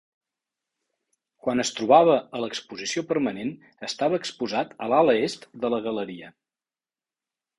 Quan es trobava a l'exposició permanent estava exposat a l'ala Est de la galeria.